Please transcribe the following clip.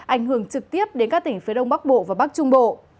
ảnh hưởng trực tiếp đến các tỉnh phía đông bắc bộ và bắc trung bộ